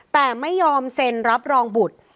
แต่ไม่ยอมเซ็นรับรองบุตร